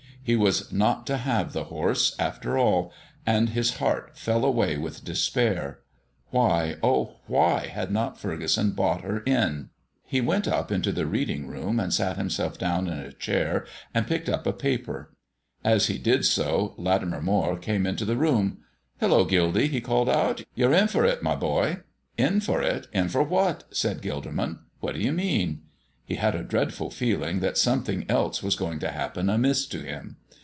He was not to have the horse, after all, and his heart fell away with despair. Why, oh, why had not Furgeson bought her in? He went up into the reading room and sat himself down in a chair and picked up a paper. As he did so, Latimer Moire came into the room. "Hello, Gildy!" he called out. "You're in for it, my boy!" "In for it! In for what?" said Gilderman. "What do you mean?" He had a dreadful feeling that something else was going to happen amiss to him.